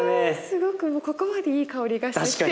すごくここまでいい香りがしてきて。